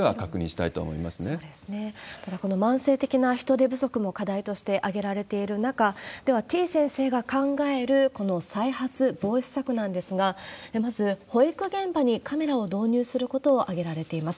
ただ、この慢性的な人手不足も課題として挙げられている中、では、てぃ先生が考える、この再発防止策なんですが、まず保育現場にカメラを導入することを挙げられています。